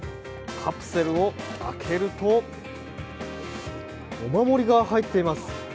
カプセルを開けると、お守りが入っています。